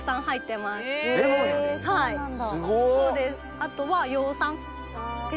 あとは。